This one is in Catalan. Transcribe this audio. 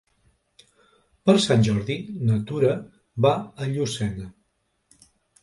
Per Sant Jordi na Tura va a Llucena.